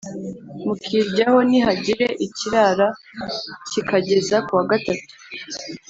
mukiryaho nihagira ikirara kikageza ku wa gatatu